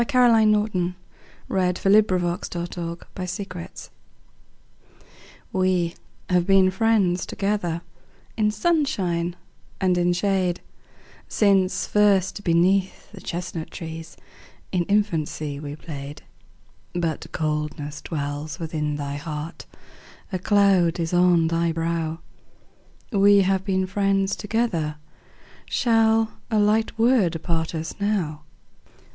Caroline Norton We Have Been Friends Together WE have been friends together In sunshine and in shade, Since first beneath the chestnut trees, In infancy we played. But coldness dwells within thy heart, A cloud is on thy brow; We have been friends together, Shall a light word part us now?